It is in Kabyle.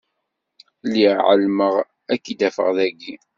Lliɣ ɛelmeɣ ad k-id-afeɣ dayi.